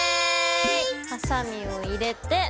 ハサミを入れて。